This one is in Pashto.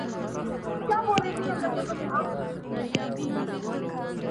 بې تقصیره ماتوې پاکي هینداري له غباره,